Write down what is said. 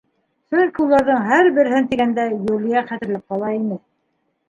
Сөнки уларҙың һәр береһен тигәндәй, Юлия хәтерләп ҡала ине.